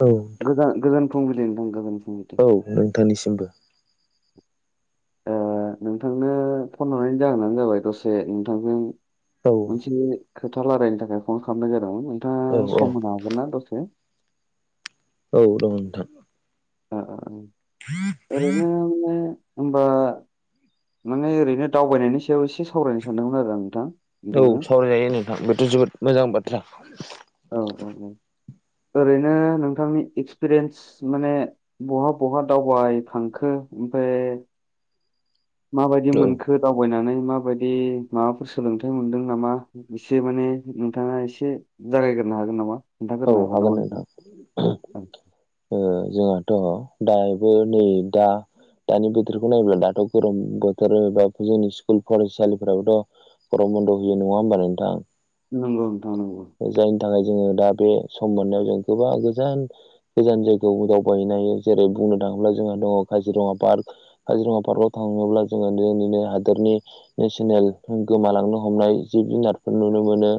औ औ दे नोंथां गोबां औ नोंथांनिसिमबो। ओ नोंथांनो फन हरनि जाहोनानो जाबाय दसे नोंथांजों औ मोनसे खोथा रायलायनो थाखाय फन खालामनाय जादोंमोन। औ नोंथाङा औ सम होनो हागोन ना दसे? औ दं नोंथां अ अ ओरैनोे होनबा माने ओरैनो दावबायनायनि सायाव एसे सावरायनो सानदोंमोन आरो आं नोंथां। औ नोंथांजों सावरायजायो नोंथां बेथ' जोबोद मोजां बाथ्रा ‌। [unintelligible] ओरैनो नोंथांनि एक्सपिरियेन्स माने बहा बहा दावबाय खांखो? ओमफ्राय माबायदि औ मोनखो दावबायनानै? माबायदि माबाफोर सोलोंथाइ मोनदों नामा एसे माने नोंथाङा एसे जायगाय ग्रोनो हागोन नामा? औ हागोन नोंथां ओ जों औ दङ' दाबो नै दा दानि बोथोरखौ नायोब्ला दाथ' गरम बोथोर एबा जोंनि स्कुल फरायसालिफोराबोथ' गरम बन्द' होयो नङा होमबा नोंथां? नंगौ नोंथां नंगौ। जायनि थाखाय जोङो दा बे सम मोननायाव जों गोबां गोजान गोजान जायगायाव दावबायहैनो हायो जेरै बुंनो थाङोब्ला जोंङो दङ काजिरङा पार्क काजिरङा पार्कआव थाङोब्ला जोङो दिनैनो [unintelligible] हादोरनि नेसनेल गोमालांनो हमनाय जिब जुनारफोर नुनो मोनो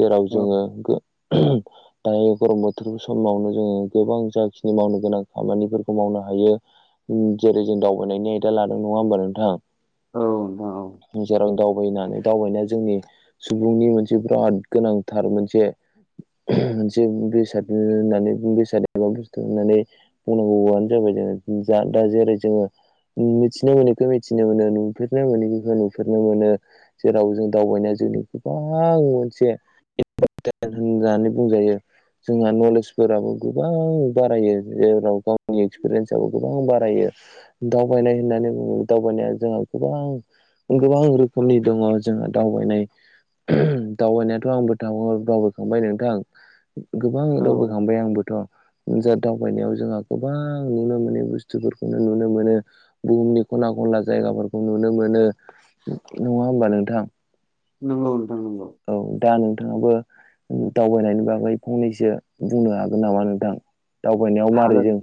जेराव औ जोङो गो दायो गरम बोथोर समावनो जोङो गोबां जाखिनि मावनो गोनां खामानिफोरखौ मावनो हायो। जेरै जों दावबायनायनि आयदा लादों नङा ओमबा नोंथां? औ नोंथां औ। जेराव दावबायनानै दावबायनाया जोंनि सुबुंनि मोनसे बिराद गोनांथार मोनसे मोनसे बेसाद होननानै बेसाद एबा बस्थु होननानै बुंनांगौआनो जाबाय दा। जा दा जेरै जोङो मिथिनो मोनैखौ मिथिनो मोनो नुफेरनो मोनैखौ नुफेरनो मोनो जेरावबो जों दावबायनाय जों नि गोबां मोनसे इम्परतेन होननानै बुंजायो। जोंहा नलेजफोराबो गोबां बारायो जेराव गावनि एक्सपिरियेन्साबबो गोबां बारायो। दावबायनाय होननानै बुङो दावबायनाया जोंहा गोबां गोबां रोखोमनि दङ जोंहा दावबायनाय दावबायनायाथ' आंबो थाङो दावबायखांबाय नोंथां। गोबां औ दावबायखांबाय आंबोथ'। जा दावबायनायाव जोंहा गोबां नुनो मोनै बुस्थुफोरखौनो नुनो मोनो बुहुमनि खना खन खनला जायगाफोरखौ नुनो मोनो नङा ओमबा नोंथां? नंगौ नोंथां नंगौ। औ दा नोंथाङाबो दावबायनायनि बागै फंनैसो बुंनो हागोन नामा नोंथां? दावबायनायाव मारै हागोन जों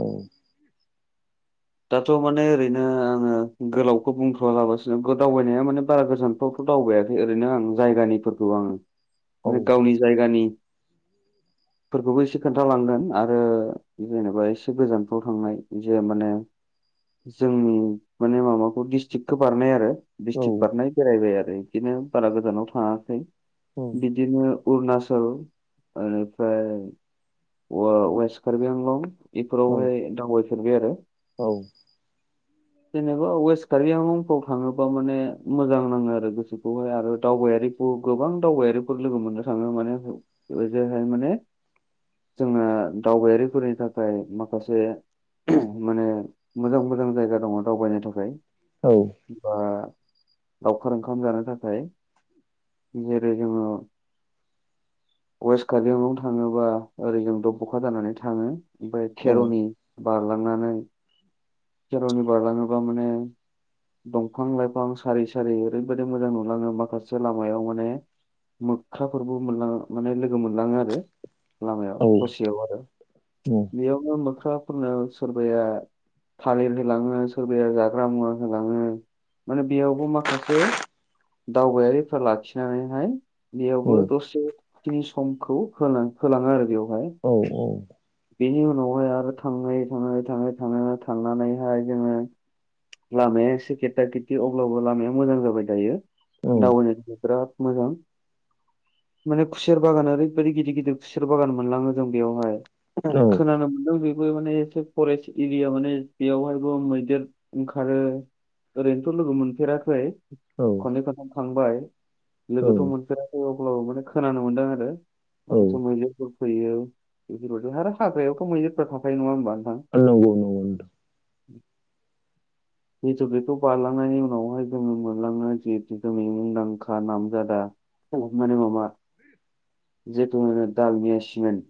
ओ दाथ' माने ओरैनो आङो गोलावखौ बुंथ'वालाबसिनो दावबायनाया माने बारा गोजानथ' दावबायायाखै ओरैनो आं जायगानिफोरखौ आ औ माने गावनि जायगानि फोरखौबो एसे खोन्थालांदों आरो जेनेबा एसे गोजानफ्राव थांनाय जे माने जोंनि माने माबाखौ डिस्ट्रिक्टखौ बारनाय आरो औ डिस्ट्रिक्ट बारनाय बेरायबाय आरो। बिदिनो बारा गोजानाव थाङासै औ बिदिनो अरुणाचल निफ्राय वेस्ट कार्बि आंलं औ बेफोरावहाय दावफेरबाय आरो। औ [inaudible] जेनेबा वेस्ट कारिआलंफ्रोराव थाङोबा माने मोजां नाङो आरो गोसोखौहाय आरो दावबायारि गोबां दावबायारिफोर लोगो मोननो थाङो माने बेबायदिहाय माने जोंना दावबायारिफोरनि थाखाय माखासे माने मोजां मोजां जायगा दङ दावबायनो थाखाय औ बा लावखार ओंखाम जानो थाखाय जेरै जोङो वेस्ट कार्बिआंलङाव थाङोबा ओरै जों दब'खा जानानै थाङो। ओमफ्राय औ खेर'नि बारलांनानै खेर'नि बारलाङोबा माने दंफां लाइफां सारि सारि ओरैबायदि मोजां नुलाङो माखासे लामायाव माने मोख्राफोरबो मोनलाङो माने लोगो मोनलाङो आरो। लामायाव औ ससेयाव आरो बेयावनो मोख्राफोरनो सोरबाया थालिर होलाङो सोरबया जाग्रा मुवा होलाङो। माने बेयावबो माखासे दावबायारिफ्रा लाखिनानैहाय बेयावबो दसे खिनि समखौ होलाङो आरो बेयाव। औ औ बेनि उनावहाय आरो थाङै थाङै थाङै थाङै थांनानैहाय जोङो लामाया एसे खटा गेददा गेददि अब्लाबो लामाया मोजां जाबाय दायो दावबायारिफ्रा बिराद मोजां माने खुसेर बागान ओरैबायाददि गिदिर गिदिर खुसेर बागान मोनलाङो जों बेयावहाय। खोनानो मोनदों बेबो माने एसे फरेस्ट एरिया माने बेवहायबो मैदेर ओंखारो। ओरैनोथ' लोगो मोनफेराखै। खननै खनथाम थांबाय औ लोगोथ' मोनफेराखै अब्लाबो माने खोनानो मोनदों आरो। औ माखासे मैदेरफोर फैयो बेफोरबायदि आरो हाग्रायावथ' मैदेरफ्रा थांखायो नङा होमबा नोंथां? नंगौ नंगौ औ [inaudible] जिथु बेखौ बारलांनायनि उनावहाय जोङो मोनलङो जिहेतु जोंनि मुंदांखा नाम जादा हमनानै माबा जेथु होनो दालमिया सिमेन्ट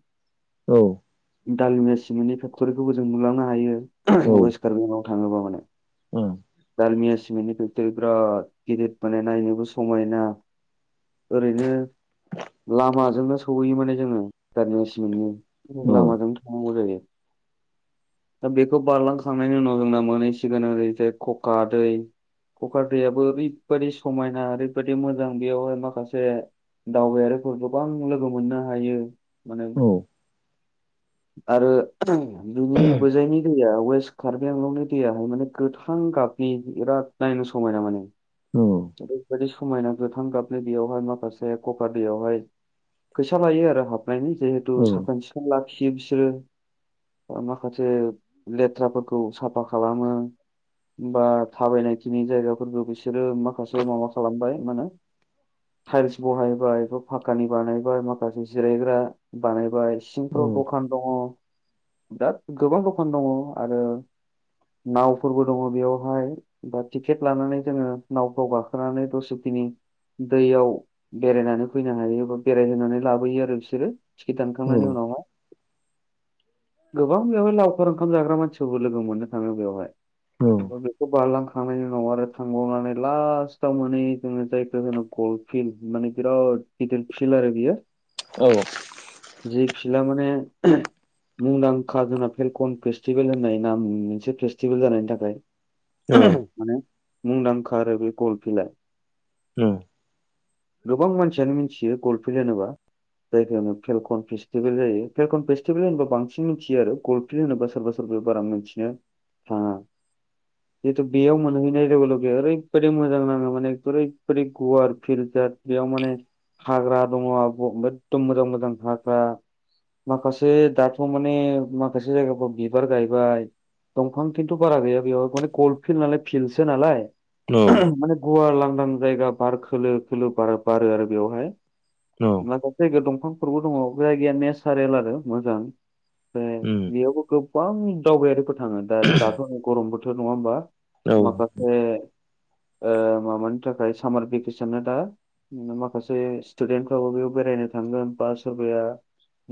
औ दालमिया सिमेननि फेक्ट'रिखौबो जों नुलांनो हायो वेस्ट कार्बिलाव थाङोबा माने। औ दालमिया सिमेन्टनि फेक्टरि बिराद गिदिर माने नायनोबो समायना ओरैनो लामाजोंनो सहैयो माने जोङो दालमिया सिमेन्टनि औ लामाजों थांनांगौ जायो। दा बेखौ बारलांखांनायनि उनाव जोंना मोनहैसिगोन ओरै जाय खखा दै। कक्रा दैयाबो ओरैबायाददि समायना ओरैबायादि मोजां बेयावहाय माखासे। दावबायारिफोर गोबां लोगो मोननो हायो माने औ आरो बिनि गोजायनि दैया वेस्ट कार्बि आंलंनि दैयाहाय माने गोथां गाबनि बिराद नायनो समायना माने ओरै बायदि स समायना गोथां गाबनि बेयावहाय माखासे कक दैयावहाय फैसा लायो आरो हाब यनो [unintelligible] जिहेथु साखोन सिखोन लाखियो बिसोरो। माखासे लेथ्राफोरखौ साफा खालामो बा थाबायनायखिनि जायगाफोरबो बिसोरो माखासे माबा खालामबाय मा होनो ताइल्स बहायबाय बे फाकानि बानायबाय माखासे जिरायग्रा बानायबाय सिंफ्राव द'खान दङ बिराद गोबां द'खान दङ आरो नावफोरबो दङ बेयावहाय बा टिकेट लानानै जोङो नाव याव गाखोनानै दसेखिनि दैयाव बेरायनानै फैनो हायो बा बेरायहोनानै लाबोयो आरो बिसोरो थिखेद दानखांनायनि उनाव गोबां बेवहाय लावखार ओंखाम जाग्रा मानसिफोरबो लोगो मोननो थाङो बेवहाय ओ बेखौ बारलांखांनायनि उनाव आरो थांबावनानै लासटाव माने जाय गलफिल माने बिराद फिल आरो बियो। औ जि फिला माने मुंदांखा जोंना फेलकन फेस्टिभेल होननाय नाम मोनसे फेस्टिभेल जानायनि थाखाय माने मुंदांखा आरो बे कल फिल्डआ उम गोबां मानसियानो मिथियो गल फिल्ड होनोबा जायगायावनो फेलकन फेस्टिभेल जायो फेलकन फेस्टिभेल होनोबा बांसिन मिथियो आरो गलफिल होनोबा सोरबा सोरबा बारा मिथिनो थाङा जितु बेयाव मोनहैनाय लोगो लोगो ओरै ओरैबायाद मोज नाङो माने ओरैबायादि गुवार फिल्टार बेयाव माने हाग्रा दङ एखदम मोजां मोजां हाग्रा माखासे दाथ' माने माखासे जायगाफ्राव बिबार गायबाय दंफां थथिंथ' बारा गैया बेयावहाय माने कल्ड फिल् नाय फिल्डसो नालाय माने गुवार लांदां जायगा बार खोलो खोलो बार बारो आरो बेवहाय माखासे जायगायाव दंफांफोरबो दङ जायगाया नेसारेल आरो मोजां ओमफ्राय बेयावबो गोबां दावबायारिफोर थाङो दा दाथ' गरमबोथ' नङा होमबा माखासे माबानि थाखाय सामार भेकेसना दा माखासे स्टुडेन्टफ्राबो बेयाव बेरायनो थांगोन बा सोरबाया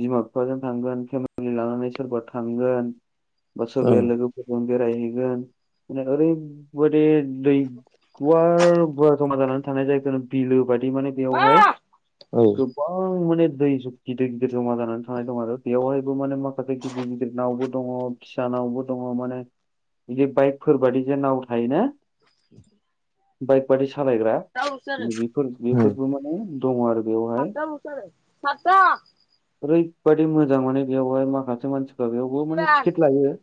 बिमा बिफाजों थांगोन फेमिलि लानानै सोरबा थांगोन बा सोरबाया लोगोफोरजों बेरायहैगोन माने ओरैबायाददि दै गुवार जमा जानानै थानाय जायफोर बिलो बायि माने बेवहाय गोबां माने दै गिदिर गिदिर जमा जानानै थानाय दं आरो बेवहायबो माने माखासे गिदिर गिदिर नावबो दङ फिसाानावबो दङ माने बिदि बाइकफोर बाददिजों नाव थायोना। बाइक बादि सालायग्रा बेफोर फोरबो माने दङ आरो बेयाव सत बोस द सत [unintelligible] ओरैबायादि मोजाङानो बेवाय माखासे मानसि बेयावबो माने टिकेट लायो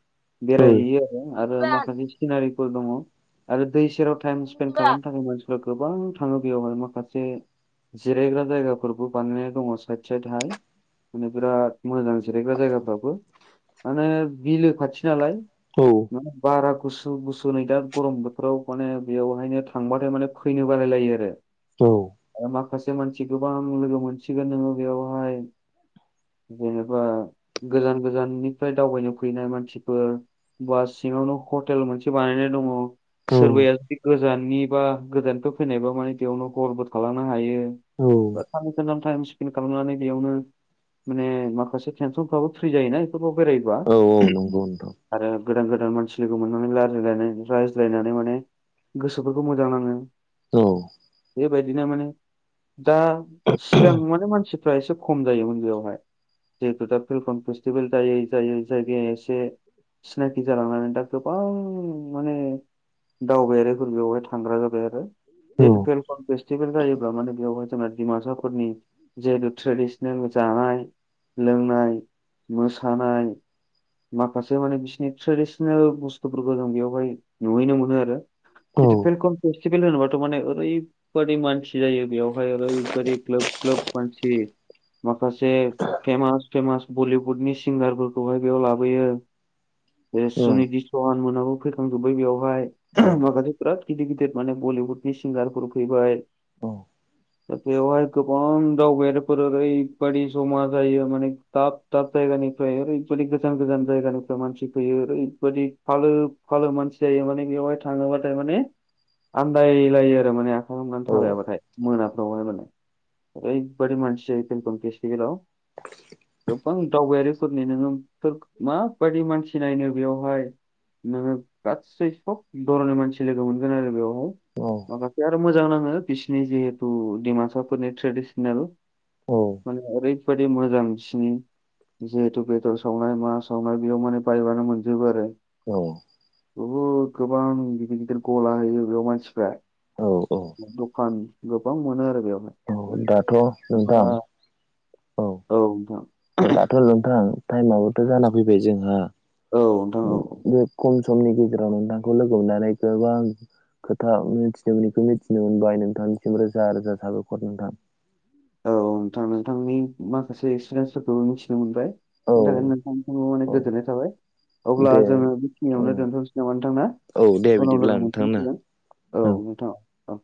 बेरायहैयो आरो आरो माखासे सिनारिफोर दङ आरो दै सेराव टाइम स्पेन्ड खालामनो थाखाय मानसिफ्रा गोबां थाङो बेयावह माखासे जिरायग्रा जायगाफोरबो बानाया दङ साइद साइदहाय माने बिराद मोजां जिरायग्रा जायगाफ्राबो माने बिलो खाथि बि नालाय बारा गुसु गुसु नै दा गरम बोथोराव माने बेयावहायनो थांबाथाय माने फैनो बालायलायो आरो आरो मा? माखासे मानसि गोबां लोगो मोनसिगोन नोङो बेयावहाय जेनेबा गोजान गोजाननिफ्राय दावबायनो फैनाय मानसिफोर। बा सिङावनो हटेल मोनसे बानायनाय दङ। सोरबाया जुदि गोजाननि बा गोदाननिफ्राय फैनायबा माने बेयावनो गरबो खालामालांनो हायो। सान सानथाम म स्पे खालामनानै बेयावनो माने माखासे नसनफ्राबो फ्रि जायोना बेफोरखौ बेरायबा आरो गोदान गोदान मानसि। नानै रजायनानै रायज्लायनानै माने गोसोफोरखौ मोजां नाङो। औ। बेबायदिनो माने दा सिगां माने मानसिफ्रा एसे खम जायोमोन बेयावहाय। जिहेतु दा फिलकन फेस्टिभेल जायै जायै जायगाया एसे सिनाकि जालांनानै दा गोबां माने दावबायारिफोर बेयावहाय थांग्रा जाबाय आरो। जिहेतु फेलकम फेस्टिभेल जायोब्ला माने बेयावहाय जोंना डिमासाफोरनि जिहेतु ट्रेडिसनेल मोजां जानाय, लोंनाय, मोसानाय माखासे माने बिसिोरनि ट्रेडिसनेल बुस्थुफोरखौ जों बेयावहाय नुहैनो मोनो आरो। जिथु फेलकम फेस्टिभेल होनोबाथ' माने ओरैबादि मानसि जायो बेयावहाय ओरैबदि ग्लाब क्लब मानसि माखासे फेमास फेमास बलिउडनि सिंगारफोरखौहाय बेयाव लाबोयो। द सुनिधि सहान मोनाबो फैखांजोब बै बेयावहाय माखासे बिराद गिदिर गिदिर माने बलिउदनि सिंगारफोर फैबाय। [inaudible] दा माने बियाव गोबां दावफोर ओरै बायदि जमा जायो दाब दाब दाब जाय फ्राय ओरैबायादि गोजान गोजान जायगानिफ्राय मानसि फैयो ओरैबायाददि फालो फालो मानसि जायो माने बेवहाय थाङोबाथाय माने आन्दायलायो आरो माने। आखाय हमनानै थाबायाबाथाय मोनाफ्राव माने ओरैबादि मानसि जायो सम सम फेसतिभेलाव। गोबां दावबायारिफोरनि नोङो माबायदि मानसि नायनो बेयावहाय नोङो गासै सब र'नि मानसि लोगो मोनगोन आरो बेवहाय माखासे आरो मोजां नाङो। बिसिनि जिहेतु डिमासाफोरनि ट्रेडिसनेल माने ओरै बेबायाददि मोजांसिनि जिहेतु पट्रल सावनाय मा सावनाय बेयाव माने बाइपआानो मोनजोबो आरो। औ। बहुद गोबां गिदिर गिदिर गला होयो बेयाव मानसिफ्रा दखान बिबां मोनो आरो बेवहाय औ दाथ' नोंथां बा औ। दाथ' नोंथां टाइमाबोथ' जाना फैबाय जोंहा औ नोंथां औ। बे खम समनि गेजेराव नोंथांखौ लोगो मोननानै गोबां खोथा मिथिनो मोन बेखौ मिथिनो मोनबाय नोंथांनिसिम रोजा रोजा साबायखर नोंथां। औ नोंथां नोंथांनि माखासे एक्सपिरियेन्सफोरखौ मिथिनो मोनबाय। औ बेनि थाखाय नोंथां मान औ गोजोननाय थाबाय अब्ला दे जोङो औ बेखिनियावनो दोनथ'नोसै नामा नोंथां ना औ दे उनाव बिदिब्ला लोगो नोंथां ना मोनफिनसिगोन औ नोंथाङा औ।